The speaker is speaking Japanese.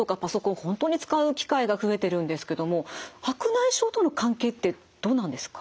本当に使う機会が増えてるんですけども白内障との関係ってどうなんですか？